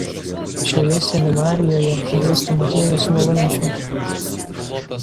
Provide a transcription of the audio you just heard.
Šioje seminarijoje dėstė Motiejus Valančius.